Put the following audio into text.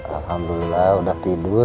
alhamdulillah udah tidur